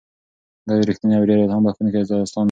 دا یو رښتینی او ډېر الهام بښونکی داستان دی.